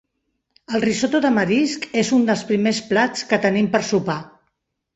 El risotto de marisc és un dels primers plats que tenim per sopar.